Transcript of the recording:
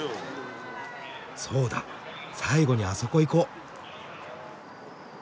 そうだ最後にあそこ行こ！